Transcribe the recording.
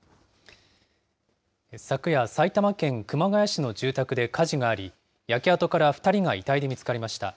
昨夜、埼玉県熊谷市の住宅で火事があり、焼け跡から２人が遺体で見つかりました。